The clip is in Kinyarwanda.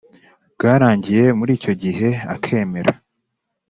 bwarangiye muri icyo gihe akemera